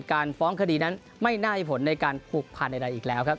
การฟ้องคดีนั้นไม่น่ามีผลในการผูกพันใดอีกแล้วครับ